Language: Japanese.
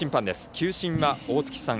球審は大槻さん。